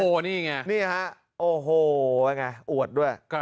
โอ้โหนี่ไงนี่ฮะโอ้โหไงอวดด้วย